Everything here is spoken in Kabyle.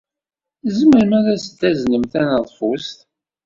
Tzemrem ad asen-taznem taneḍfust?